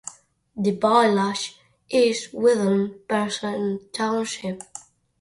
The village is within Pierson Township.